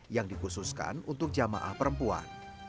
yang dikhususkan untuk jamaah perempuan